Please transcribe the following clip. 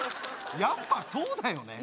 「やっぱそうだよね」？